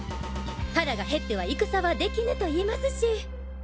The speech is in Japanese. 「腹が減っては戦はできぬ」と言いますし。